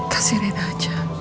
kasih rena aja